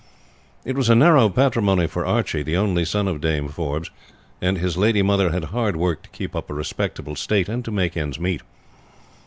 It was a narrow patrimony for Archie, the only son of Dame Forbes, and his lady mother had hard work to keep up a respectable state, and to make ends meet.